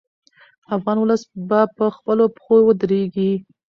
افغان ولس به په خپلو پښو ودرېږي.